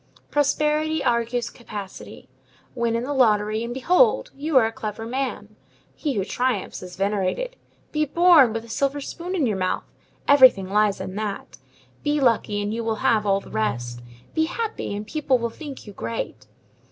Prosperity argues capacity. Win in the lottery, and behold! you are a clever man. He who triumphs is venerated. Be born with a silver spoon in your mouth! everything lies in that. Be lucky, and you will have all the rest; be happy, and people will think you great.